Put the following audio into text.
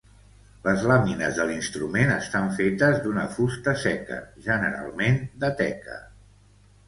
Les làmines de l'instrument estan fetes d'una fusta seca, generalment de teca.